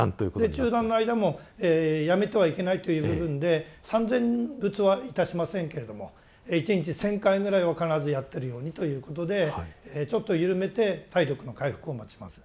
中断の間もやめてはいけないという部分で三千仏はいたしませんけれども一日１０００回ぐらいを必ずやってるようにということでちょっと緩めて体力の回復を待ちます。